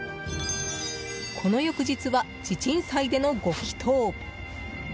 この翌日は、地鎮祭でのご祈祷。